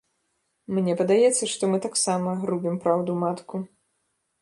Мне падаецца, што мы таксама рубім праўду-матку.